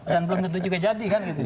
dan belum tentu juga jadi kan